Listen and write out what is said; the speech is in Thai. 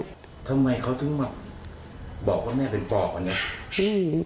ทำไมเขาถึงมาบอกว่าแม่เป็นปอบอันนี้